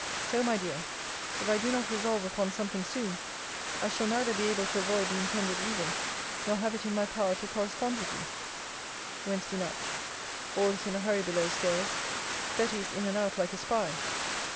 So, my dear, if I do not resolve upon something soon, I shall neither be able to avoid the intended evil, nor have it in my power to correspond with you. WEDNESDAY NIGHT. All is in a hurry below stairs. Betty is in and out like a spy.